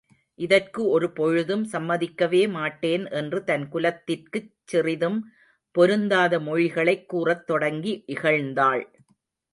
இதற்கு ஒரு பொழுதும் சம்மதிக்கவே மாட்டேன் என்று தன் குலத்திற்குச் சிறிதும் பொருந்தாத மொழிகளைக் கூறத் தொடங்கி இகழ்ந்தாள்.